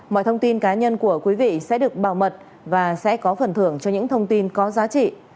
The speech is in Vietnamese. mọi thông tin cá nhân của quý vị sẽ được bảo mật và sẽ có phần thưởng cho những thông tin có giá trị